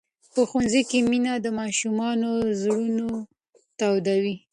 په ښوونځي کې مینه د ماشومانو زړونه تودوي.